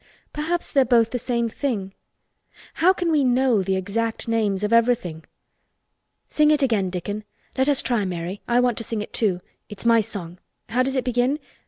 "Perhaps they are both the same thing. How can we know the exact names of everything? Sing it again, Dickon. Let us try, Mary. I want to sing it, too. It's my song. How does it begin?